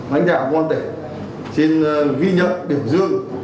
lãnh đạo công an tỉnh xin ghi nhận biểu dương